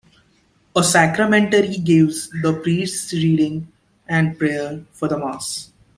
A Sacramentary gives the priest's readings and prayers for the Mass.